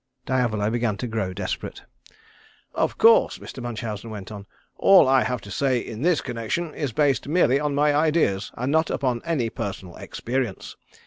Diavolo began to grow desperate. "Of course," Mr. Munchausen went on, "all I have to say in this connection is based merely on my ideas, and not upon any personal experience.